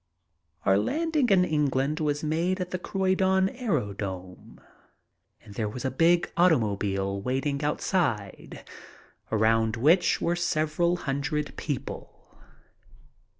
Our landing in England was made at the Croydon aero drome, and there was a big automobile waiting outside, around which were several hundred people.